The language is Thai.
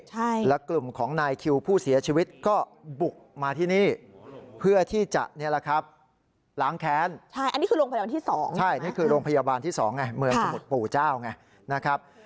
ใช่แล้วกลุ่มของนายคิวผู้เสียชีวิตก็บุกมาที่นี่เพื่อที่จะนี่แหละครับล้างแค้นใช่อันนี้คือโรงพยาบาลที่๒ใช่นี่คือโรงพยาบาลที่๒ไงเมืองสมุทรปู่เจ้าไงนะครับ